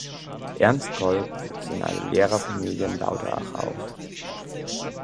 Ernst Kolb wuchs in einer Lehrerfamilie in Lauterach auf.